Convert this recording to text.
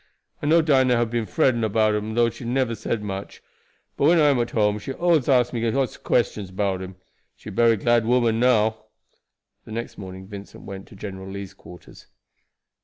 I know Dinah hab been fretting about him though she never said much, but when I am at home she allus asks me all sorts of questions 'bout him. She bery glad woman now." The next morning Vincent went to General Lee's quarters.